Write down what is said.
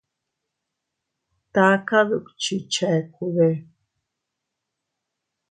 ¿Taka dukchi chekude?